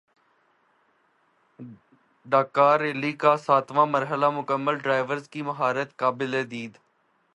Dakar Rally کا ساتواں مرحلہ مکمل ڈرائیورز کی مہارت قابل دید